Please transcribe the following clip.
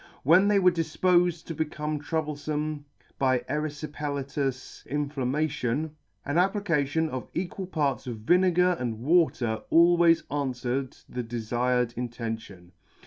When they were difpofed to become troublefome by eryfipelatous inflammation, an application of equal parts of vinegar and water always anfwered the defired intention.